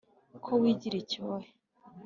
Ko kwigira icyohe